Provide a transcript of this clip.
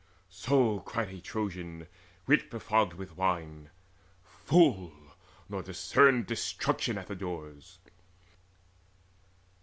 So cried a Trojan wit befogged with wine, Fool, nor discerned destruction at the doors.